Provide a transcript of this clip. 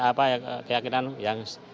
apa keyakinan yang